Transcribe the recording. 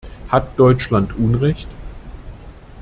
Hat Deutschland Unrecht?